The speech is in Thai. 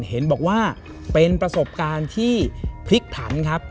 เห็นบอกว่าเป็นประสบการณ์ที่พลิกผันครับ